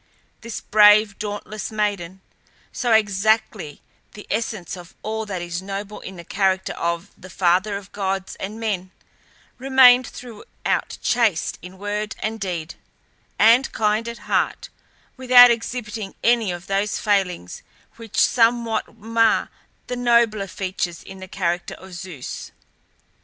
This brave, dauntless maiden, so exactly the essence of all that is noble in the character of "the father of gods and men," remained throughout chaste in word and deed, and kind at heart, without exhibiting any of those failings which somewhat mar the nobler features in the character of Zeus.